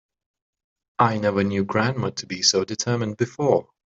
I never knew grandma to be so determined before.